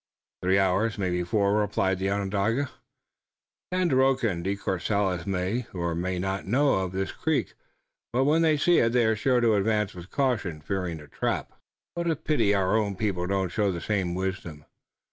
"Three hours, maybe four," replied the Onondaga. "Tandakora and De Courcelles may or may not know of this creek, but when they see it they are sure to advance with caution, fearing a trap." "What a pity our own people don't show the same wisdom!"